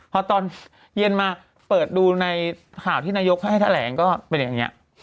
พอตอนเย็นมาเปิดดูในข่าวที่นายกให้แถลงก็เป็นอย่างนี้